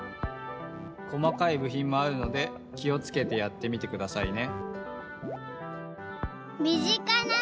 細かいぶひんもあるのできをつけてやってみてくださいね。